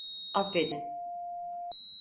Affedin.